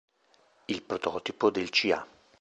Il prototipo del Ca.